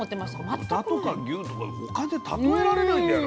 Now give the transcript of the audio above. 豚とか牛とかと他で例えられないんだよね